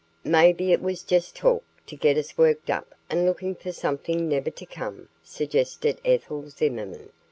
"Maybe it was just talk, to get us worked up and looking for something never to come," suggested Ethel Zimmerman.